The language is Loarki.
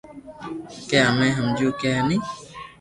ڪي ھمي ھمجيو ھي ني